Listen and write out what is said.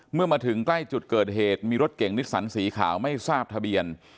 เมื่อมาถึงใกล้จุดเกิดเหตุมีรถเก่งนิสสันสีขาวไม่ทราบทะเบียน